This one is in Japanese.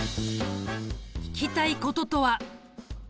聞きたいこととは？